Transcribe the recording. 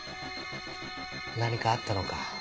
何かあったのか？